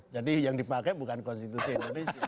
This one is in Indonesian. jadi yang dipakai bukan konstitusi indonesia